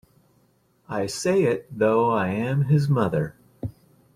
I say it, though I am his mother.